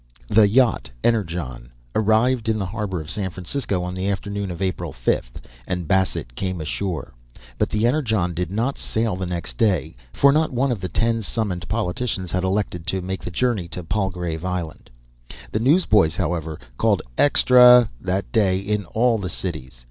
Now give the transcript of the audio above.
The yacht Energon arrived in the harbour of San Francisco on the afternoon of April 5, and Bassett came ashore. But the Energon did not sail next day, for not one of the ten summoned politicians had elected to make the journey to Palgrave Island. The newsboys, however, called "Extra" that day in all the cities.